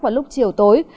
vào lúc chiều tối